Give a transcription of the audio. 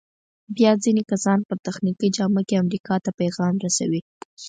بیا ځینې کسان په تخنیکي جامه کې امریکا ته پیغام رسوي.